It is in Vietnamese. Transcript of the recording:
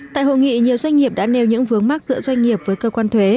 tại hội nghị nhiều doanh nghiệp đã nêu những vướng mắt giữa doanh nghiệp với cơ quan thuế